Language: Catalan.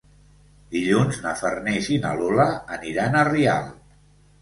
Dilluns na Farners i na Lola aniran a Rialp.